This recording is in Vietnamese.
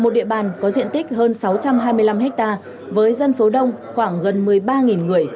một địa bàn có diện tích hơn sáu trăm hai mươi năm hectare với dân số đông